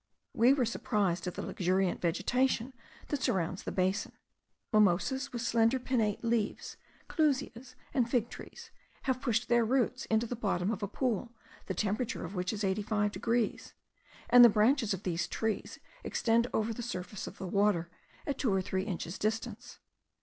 We were surprised at the luxuriant vegetation that surrounds the basin; mimosas with slender pinnate leaves, clusias, and fig trees, have pushed their roots into the bottom of a pool, the temperature of which is 85 degrees; and the branches of these trees extended over the surface of the water, at two or three inches distance.